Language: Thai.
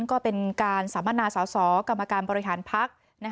ก็เป็นการสัมมนาสอสอกรรมการบริหารพัก